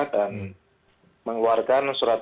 dan mengeluarkan surat